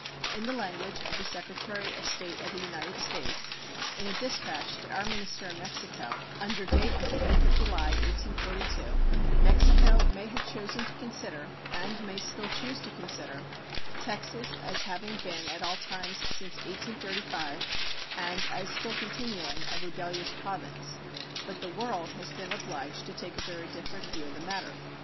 In the language of the Secretary of State of the United States in a dispatch to our minister in Mexico under date of the 8th of July, 1842 Mexico may have chosen to consider, and may still choose to consider, Texas as having been at all times since 1835, and as still continuing, a rebellious province; but the world has been obliged to take a very different view of the matter.